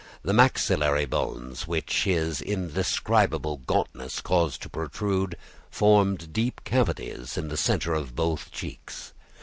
The maxillary bones, which his indescribable gauntness caused to protrude, formed deep cavities in the centre of both cheeks.